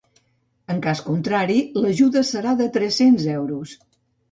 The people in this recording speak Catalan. En cas contrari, l’ajuda serà de tres-cents euros.